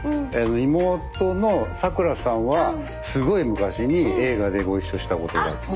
妹のサクラさんはすごい昔に映画でご一緒したことがあって。